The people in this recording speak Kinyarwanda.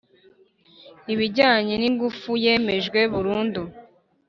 Ibijyanye n ingufu yemejwe burundu